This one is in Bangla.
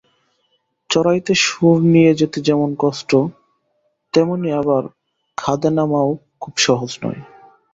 চড়াইতে সুর নিয়ে যেতে যেমন কষ্ট, তেমনি আবার খাদে নামাও খুব সহজ নয়।